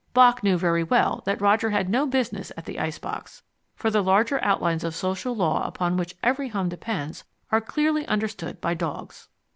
Bock knew very well that Roger had no business at the ice box, for the larger outlines of social law upon which every home depends are clearly understood by dogs.